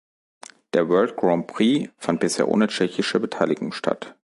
Der World Grand Prix fand bisher ohne tschechische Beteiligung statt.